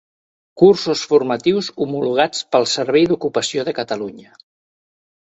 Cursos formatius homologats pel Servei d'Ocupació de Catalunya.